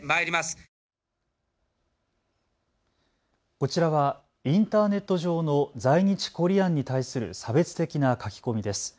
こちらはインターネット上の在日コリアンに対する差別的な書き込みです。